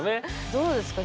どうですか？